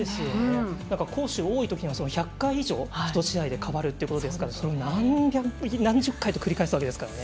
攻守多いときには１００回以上、１試合でかわるということですからすごく繰り返すわけですからね。